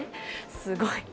すごい。